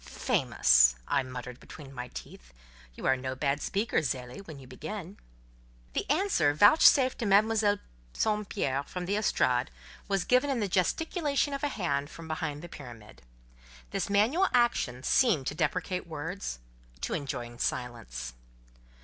"Famous!" I muttered between my teeth: "you are no bad speaker, Zélie, when you begin." The answer vouchsafed to Mademoiselle St Pierre from the estrade was given in the gesticulation of a hand from behind the pyramid. This manual action seemed to deprecate words, to enjoin silence.